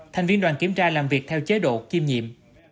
thành viên đoàn kiểm tra làm việc theo chế độ kiêm nhiệm